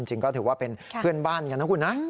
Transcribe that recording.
จริงก็ถือว่าเป็นเพื่อนบ้านกันนะคุณนะ